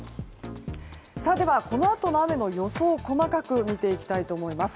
では、このあとの雨の予想細かく見ていきたいと思います。